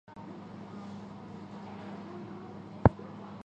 他是德国社会民主党的党员。